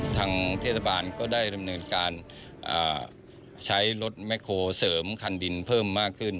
ทางเทศบาลก็ได้ดำเนินการใช้รถแคลเสริมคันดินเพิ่มมากขึ้น